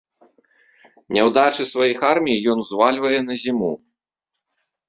Няўдачы сваіх армій ён узвальвае на зіму.